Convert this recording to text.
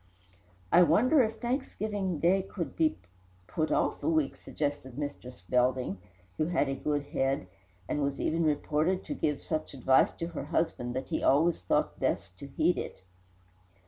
"I wonder if Thanksgiving Day could not be put off a week," suggested Mistress Belding, who had a good head, and was even reported to give such advice to her husband that he always thought best to heed it.